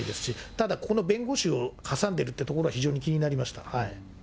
ただ、ここの、弁護士を挟んでるっていうのは非常に気になりました。